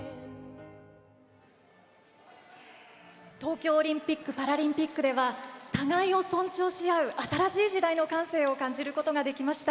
東京オリンピック・パラリンピックでは互いを尊重し合う新しい時代の感性を感じることができました。